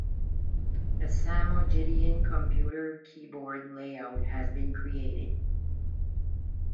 A Samogitian computer keyboard layout has been created.